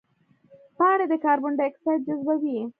پاڼې د کاربن ډای اکساید جذبوي